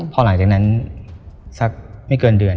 พอหลังจากนั้นสักไม่เกินเดือน